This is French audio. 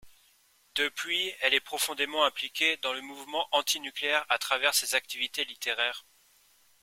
Depuis, elle est profondément impliquée dans le mouvement antinucléaire à travers ses activités littéraires.